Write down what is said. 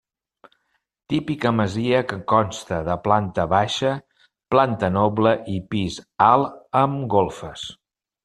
Típica masia que consta de planta baixa, planta noble i pis alt amb golfes.